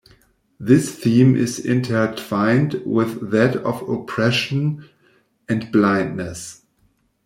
This theme is intertwined with that of oppression and blindness.